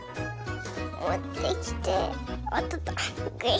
もってきておっとっと。